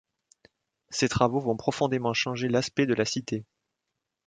Ces travaux vont profondément changer l'aspect de la cité.